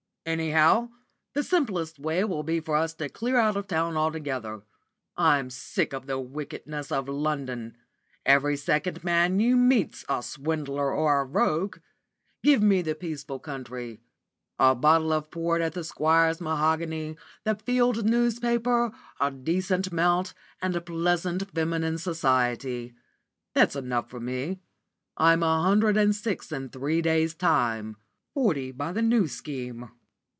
Anyhow the simplest way will be for us to clear out of town altogether. I'm sick of the wickedness of London. Every second man you meet's a swindler or a rogue. Give me the peaceful country a bottle of port at the squire's mahogany, the Field newspaper, a decent mount, and pleasant feminine society. That's good enough for me. I'm a hundred and six in three days' time; forty by the New Scheme.